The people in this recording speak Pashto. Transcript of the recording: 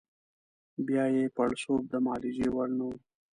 بیا یې پړسوب د معالجې وړ نه وو.